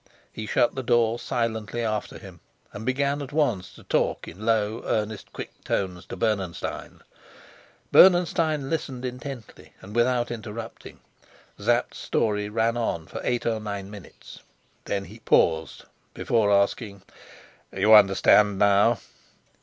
He shut the door silently after him and began at once to talk in low, earnest, quick tones to Bernenstein. Bernenstein listened intently and without interrupting. Sapt's story ran on for eight or nine minutes. Then he paused, before asking: "You understand now?"